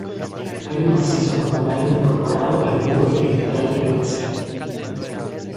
Hay un macizo campanario incorporado al muro perimetral en una esquina.